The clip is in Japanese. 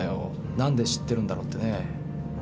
なんで知ってるんだろうってね。